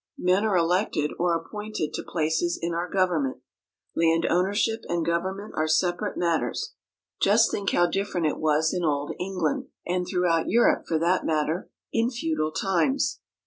Men are elected or appointed to places in our government. Land ownership and government are separate matters. Just think how different it was in old England (and throughout Europe, for that matter) in feudal times.